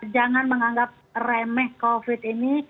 jangan menganggap remeh covid ini